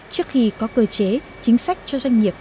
trước khi có cơ chế chính sách cho doanh nghiệp